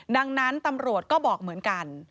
ดังนั้นตำรวจก็บอกเหมือนกัน